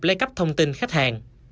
lây cắp thông tin khách hàng